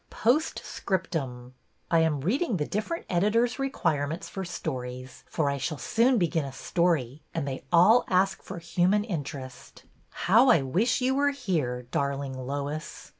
POSTSCRIPTUM. I am reading the different editors' requirements for stories, for I shall soon begin a story, and they all ask for human interest. How I wish you were here, darling Lois!